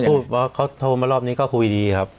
พูดว่าเขาโทรมารอบนี้ก็คุยดีครับ